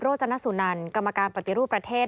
จนสุนันกรรมการปฏิรูปประเทศ